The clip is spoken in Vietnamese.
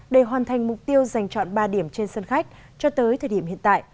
để hoàn thành mục tiêu giành chọn ba điểm trên sân khách cho tới thời điểm hiện tại